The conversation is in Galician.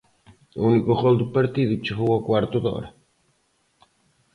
O único gol do partido chegou ao cuarto de hora.